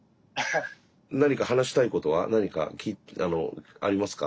何か話したいことは何かありますか？